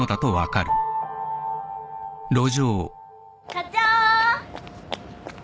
・課長！